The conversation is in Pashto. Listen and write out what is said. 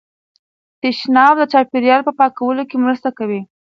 تشناب د چاپیریال په پاکوالي کې مرسته کوي.